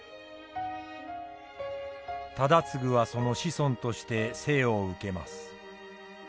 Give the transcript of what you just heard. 忠次はその子孫として生を受けます。